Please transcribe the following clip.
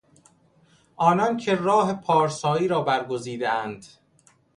آنان که راه پارسایی را برگزیدهاند